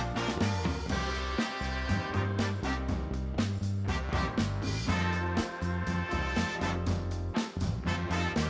แล้วเดี๋ยวเวทีเชียร์ที่เขานะ